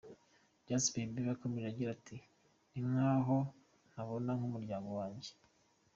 Justin Bieber yakomeje agira ati: “Ni nkaho ntabana n’umuryango wanjye.